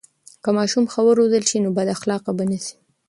که ماشوم ښه و روزل سي، نو بد اخلاقه به نه سي.